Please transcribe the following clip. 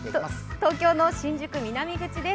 東京の新宿南口です。